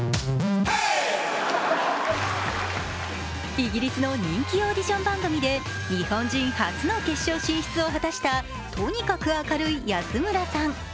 イギリスの人気オーディション番組で、日本人初の決勝進出を果たしたとにかく明るい安村さん。